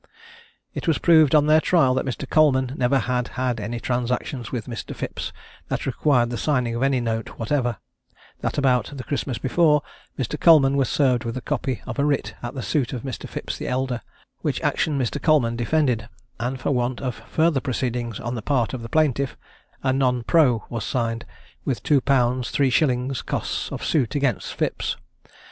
It was proved on their trial that Mr. Coleman never had had any transactions with Mr. Phipps that required the signing of any note whatever; that about the Christmas before, Mr. Coleman was served with a copy of a writ at the suit of Mr. Phipps the elder, which action Mr. Coleman defended, and for want of further proceedings on the part of the plaintiff, a non pros. was signed, with two pounds three shillings costs of suit against Phipps.